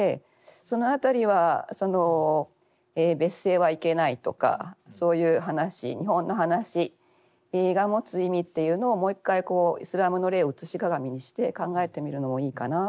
その辺りは別姓はいけないとかそういう話日本の話が持つ意味っていうのをもう一回イスラムの例を写し鏡にして考えてみるのもいいかなって思いました。